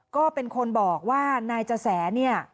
ก็เป็นคนบอกว่านายจะแสเนี่ย